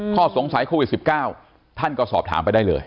ข้อสงสัยโควิด๑๙ท่านก็สอบถามไปได้เลย